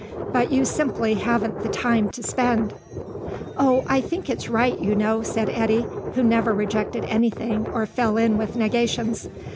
But you simply haven't the time to spend." "Oh, I think it's right, you know," said Eddy, who never rejected anything or fell in with negations.